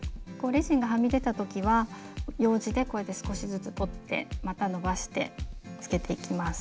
レジンがはみ出た時はようじでこうやって少しずつ取ってまたのばしてつけていきます。